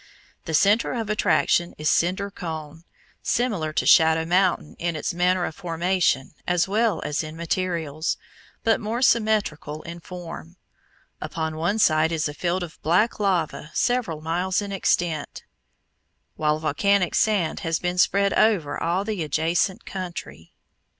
The centre of attraction is Cinder Cone, similar to Shadow Mountain in its manner of formation as well as in materials, but more symmetrical in form. Upon one side is a field of black lava several miles in extent, while volcanic sand has been spread over all the adjacent country. [Illustration: FIG.